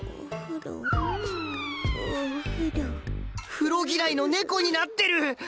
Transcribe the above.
風呂嫌いの猫になってる！